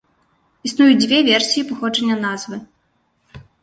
Існуюць дзве версіі паходжання назвы.